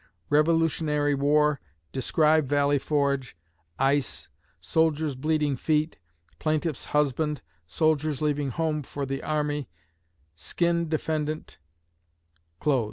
Revolutionary War Describe Valley Forge Ice Soldiers' bleeding feet Pl'ff's husband Soldiers leaving home for the army Skin Def't Close."